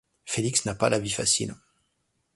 Félix n'a pas la vie facile.